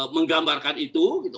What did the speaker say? menggambarkan itu gitu